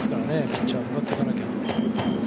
ピッチャーは向かっていかなきゃ。